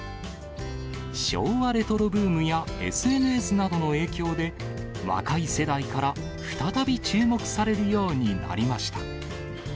昭和レトロブームや、ＳＮＳなどの影響で、若い世代から再び注目されるようになりました。